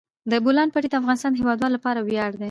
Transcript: د بولان پټي د افغانستان د هیوادوالو لپاره ویاړ دی.